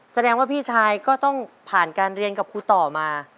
แสดงว่าพี่ชายก็ต้องผ่านการเรียนกับครูต่อมา